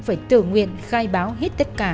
phải tự nguyện khai báo hết tất cả